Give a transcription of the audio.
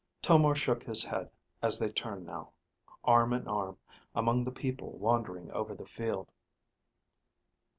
Tomar shook his head, as they turned now, arm in arm, among the people wandering over the field.